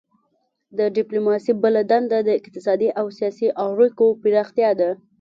د ډیپلوماسي بله دنده د اقتصادي او سیاسي اړیکو پراختیا ده